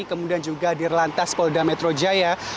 kemudian juga dir lantas polda metro jaya